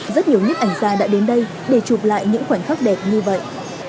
rất nhiều nhếp ảnh gia đã đến đây để chụp lại những khoảnh khắc đẹp như vậy